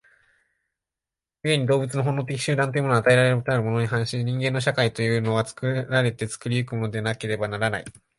故に動物の本能的集団というものは与えられたものたるに反し、人間の社会というのは作られて作り行くものでなければならない。